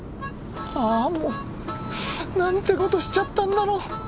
ああもうなんてことしちゃったんだろう。